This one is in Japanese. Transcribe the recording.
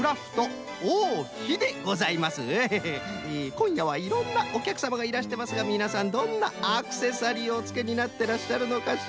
こんやはいろんなおきゃくさまがいらしてますがみなさんどんなアクセサリーをおつけになっていらっしゃるのかしら？